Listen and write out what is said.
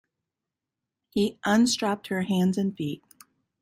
He unstrapped her hands and feet.